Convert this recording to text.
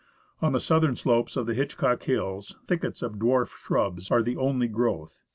On the southern slopes of the Hitchcock Hills, thickets of dwarf shrubs are the only growth.